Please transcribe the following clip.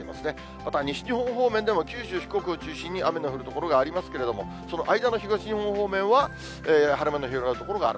また西日本方面でも九州、四国を中心に雨の降る所がありますけれども、その間の東日本方面は、晴れ間の広がる所がある。